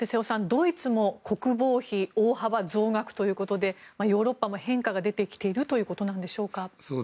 ドイツも国防費を大幅に増額ということでヨーロッパは変化が出てきているということなんでしょうか。